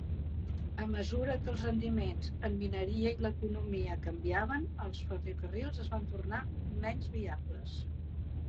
A mesura que els rendiments en mineria i l'economia canviaven, els ferrocarrils es van tornar menys viables.